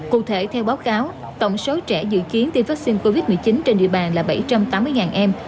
cụ thể theo báo cáo tổng số trẻ dự kiến tiêm vaccine covid một mươi chín trên địa bàn là bảy trăm tám mươi em